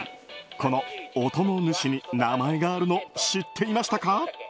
この音の主に名前があるの知っていましたか？